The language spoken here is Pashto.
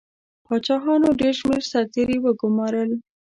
پاچاهانو ډېر شمېر سرتیري وګمارل.